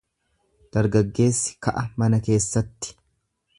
Dargaggeessi ka'a mana keessatti.